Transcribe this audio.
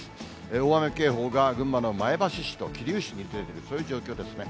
大雨警報が群馬の前橋市と桐生市に出ている、そういう状況ですね。